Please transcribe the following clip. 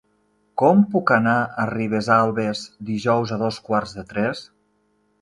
Com puc anar a Ribesalbes dijous a dos quarts de tres?